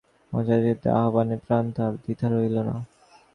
এক্ষণে নির্মলানন্দ স্বামীর এইরূপ অযাচিত আহ্বানে প্রাণে আর দ্বিধা রহিল না।